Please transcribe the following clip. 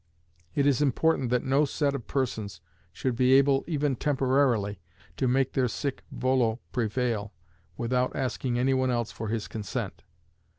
It is important that no set of persons should be able, even temporarily, to make their sic volo prevail without asking any one else for his consent.